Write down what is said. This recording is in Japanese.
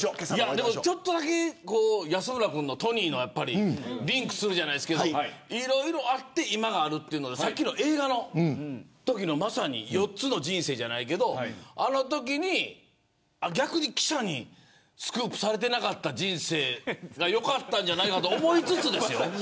ちょっとだけ安村君のトニーにリンクするというかいろいろあって今があるというのが映画の４つの人生じゃないけどあのときに逆に記者にスクープされていなかった人生が良かったんじゃないかと思いつつ。